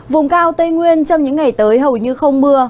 vùng cao tây nguyên trong những ngày tới hầu như không mưa